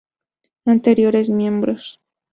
Anteriores miembros